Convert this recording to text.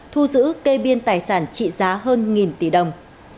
thu giữ cây biên tài sản trị giá hơn một tỷ đồng